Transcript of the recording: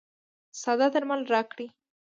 ساده درمل راکړئ.